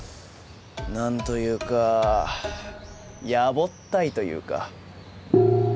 何というかやぼったいというか。